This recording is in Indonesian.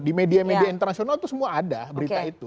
di media media internasional itu semua ada berita itu